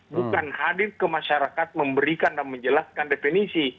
bukan hadir ke masyarakat memberikan dan menjelaskan definisi